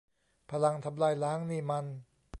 พลังทำลายล้างนี่มัน